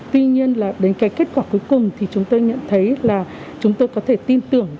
tuy nhiên đến kết quả cuối cùng thì chúng tôi nhận thấy là chúng tôi có thể tin tưởng